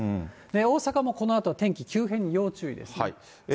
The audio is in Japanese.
大阪もこのあと天気急変、要注意ですね。